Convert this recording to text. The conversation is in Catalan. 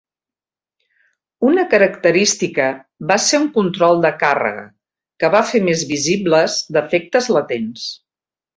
Una característica va ser un control de càrrega que va fer més visibles defectes latents.